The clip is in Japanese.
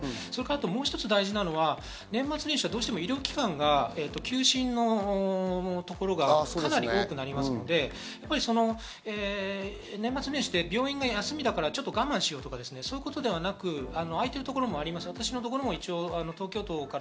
もう一つ大事なのは年末年始はどうしても医療機関が休診のところがかなり多くなりますので、年末年始で病院が休みだからちょっと我慢しようとかそういうことではなく、開いているところもあります。